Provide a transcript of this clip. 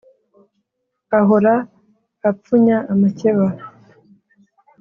ahora apfunya amakeba,